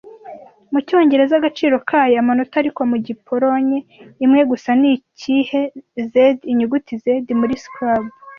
Mu cyongereza agaciro kayo amanota ariko mu Gipolonye imwe gusa ni ikihe Z inyuguti Z muri scrabble